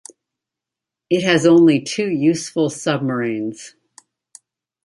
It has only two useful submarines.